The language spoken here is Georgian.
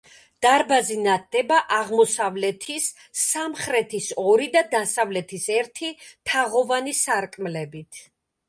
დარბაზი ნათდება აღმოსავლეთის, სამხრეთის ორი და დასავლეთის ერთი თაღოვანი სარკმლებით.